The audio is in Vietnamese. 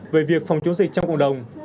về việc phòng chống dịch trong cộng đồng